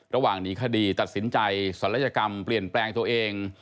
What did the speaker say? หนีคดีตัดสินใจศัลยกรรมเปลี่ยนแปลงตัวเอง